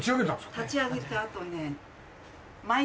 立ち上げたあとね。